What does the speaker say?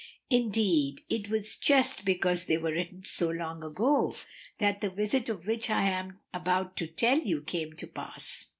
Indeed, it was just because they were written so long ago that the visit of which I am about to tell you came to pass.